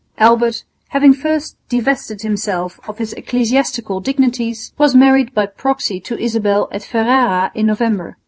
Albert, having first divested himself of his ecclesiastical dignities, was married by proxy to Isabel at Ferrara in November.